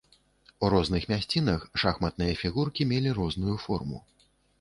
У розных мясцінах шахматныя фігуркі мелі розную форму.